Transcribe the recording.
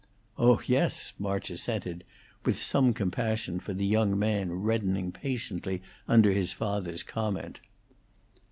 "Oh yes!" March assented, with some compassion for the young man reddening patiently under his father's comment.